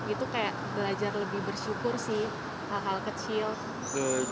itu kayak belajar lebih bersyukur sih hal hal kecil